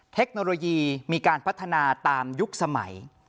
เทคโนโลยีมีการพัฒนาตามยุคสมัย